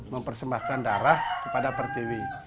mempersembahkan darah kepada pertiwi